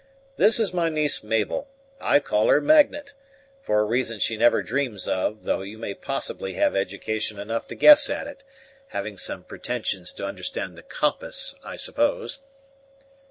This is my niece Mabel; I call her Magnet, for a reason she never dreams of, though you may possibly have education enough to guess at it, having some pretentions to understand the compass, I suppose."